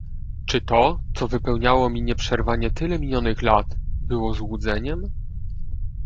"Czy to, co wypełniało mi nieprzerwanie tyle minionych lat, było złudzeniem?"